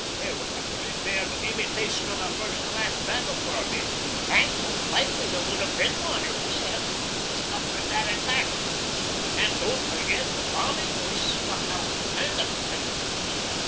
There was a pretty fair imitation of a first class battle for a bit, and most likely there would have been one if we hadn't scuppered that attack. And don't forget the bombing we stuck out and the casualties.